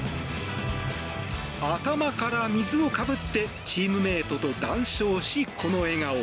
頭から水をかぶってチームメートと談笑しこの笑顔。